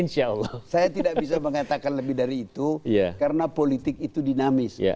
saya tidak bisa mengatakan lebih dari itu karena politik itu dinamis